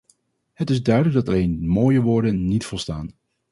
Het is duidelijk dat alleen mooie woorden niet volstaan.